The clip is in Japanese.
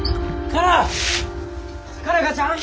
佳奈花ちゃん？